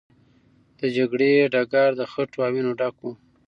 د جګړې ډګر د خټو او وینو ډک و.